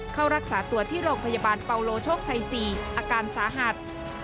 เข้ารักษาตัวที่โรงพยาบาลเปาโลโชคชัย๔อาการสาหัส